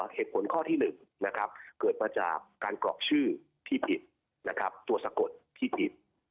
เหตุผลข้อที่๑เกิดมาจากการกรอกชื่อที่ผิดตัวสะกดที่ผิด